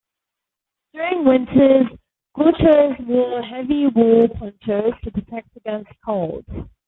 During winters, gauchos wore heavy wool ponchos to protect against cold.